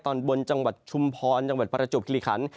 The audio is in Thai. ตอนบนจังหวัดชุมพรจังหวัดประจวบคิริคัน